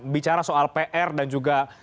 bicara soal pr dan juga